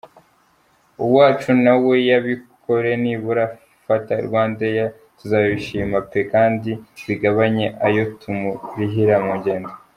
Uwacu nawe zabikore nibura fate Rwandair tuzabishima peee kandi bigabanye ayotumurihira mungendo.